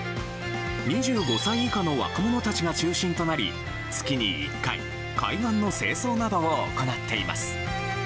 ２５歳以下の若者たちが中心となり月に１回海岸の清掃などを行っています。